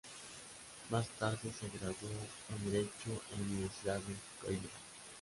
Más tarde se graduó en Derecho en la Universidad de Coimbra.